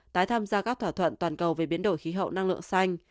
tái tham gia các thỏa thuận toàn cầu về biến đổi khí hậu năng lượng xanh